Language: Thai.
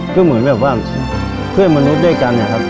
ก็เหมือนแบบว่าเพื่อนมนุษย์ด้วยกันนะครับ